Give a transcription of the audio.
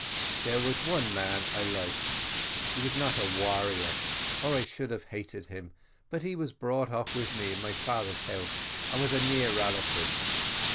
"There was one man I liked. He was not a warrior, or I should have hated him, but he was brought up with me in my father's house, and was a near relative.